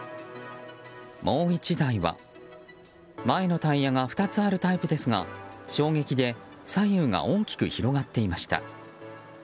もう１台は、前のタイヤが２つあるタイプですが衝撃で左右が大きく広がっていました。